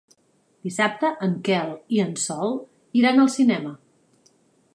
Dissabte en Quel i en Sol iran al cinema.